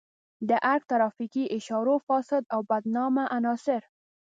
د ارګ ترافیکي اشارو فاسد او بدنامه عناصر.